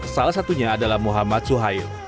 salah satunya adalah muhammad suhail